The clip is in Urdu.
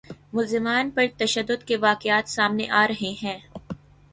ملزمان پر تشدد کے واقعات سامنے آ رہے ہیں